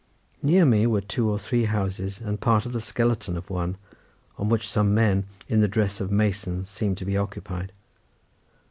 Near me were two or three houses and part of the skeleton of one, on which some men, in the dress of masons, seemed to be occupied.